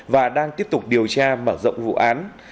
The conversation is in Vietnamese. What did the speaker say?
và đang tiếp tục điều tra mở rộng vụ án